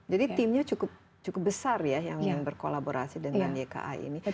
jadi timnya cukup besar ya yang berkolaborasi dengan ykai ini